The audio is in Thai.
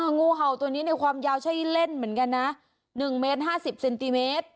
งูเห่าตัวนี้ในความยาวใช่เล่นเหมือนกันนะ๑เมตร๕๐เซนติเมตร